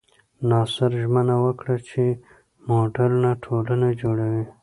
ناصر ژمنه وکړه چې موډرنه ټولنه جوړوي.